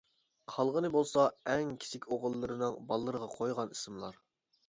قالغىنى بولسا ئەڭ كىچىك ئوغۇللىرىنىڭ بالىلىرىغا قويغان ئىسىملار.